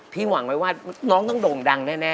หวังไว้ว่าน้องต้องโด่งดังแน่